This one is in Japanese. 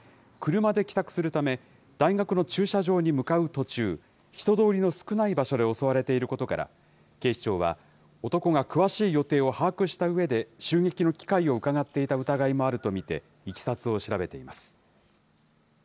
車で帰宅するため、大学の駐車場に向かう途中、人通りの少ない場所で襲われていることから、警視庁は、男が詳しい予定を把握したうえで、襲撃の機会をうかがっていた疑いもあると見て、いきさつを調べています。